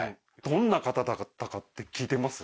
どんな方だったかって聞いてます？